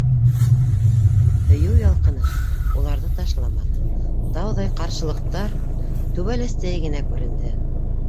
Һөйөү ялҡыны уларҙы ташламаны, тауҙай ҡаршылыҡтар түбәләстәй генә күренде.